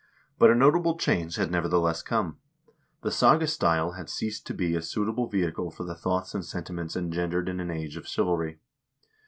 But a notable change had, nevertheless, come. The saga style had ceased to be a suitable vehicle for the thoughts and sentiments engendered in an age of chivalry.